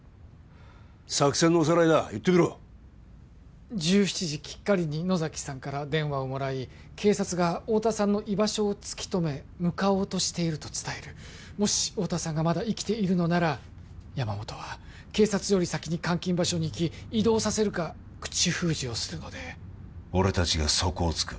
作戦のおさらいだ言ってみろ１７時きっかりに野崎さんから電話をもらい警察が太田さんの居場所を突き止め向かおうとしていると伝えるもし太田さんがまだ生きているのなら山本は警察より先に監禁場所に行き移動させるか口封じをするので俺達がそこを突く